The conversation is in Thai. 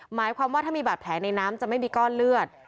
หมายความว่าถ้ามีบาดแผลในน้ำจะไม่มีก้อนเลือด